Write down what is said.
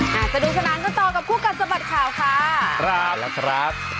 จะดูสนานต่อกับคู่กัดสบัดข่าวค่ะ